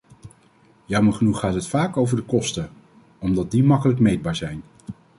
Jammer genoeg gaat het vaak over de kosten, omdat die makkelijk meetbaar zijn.